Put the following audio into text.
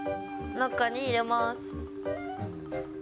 中に入れます。